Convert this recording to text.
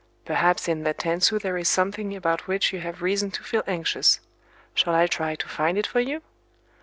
Perhaps in that tansu there is something about which you have reason to feel anxious. Shall I try to find it for you?"